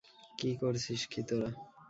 কী করছিস কী তোরা?